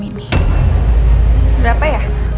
ngomong kemana you disuruh mengchuinkan asur health